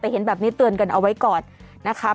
แต่เห็นแบบนี้เตือนกันเอาไว้ก่อนนะคะ